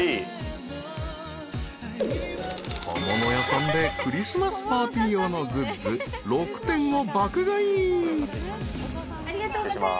［小物屋さんでクリスマスパーティー用のグッズ６点を爆買い］